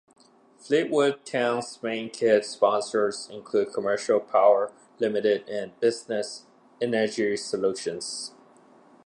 Fleetwood Town's main kit sponsors include Commercial Power Limited and Business Energy Solutions.